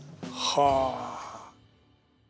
はあ。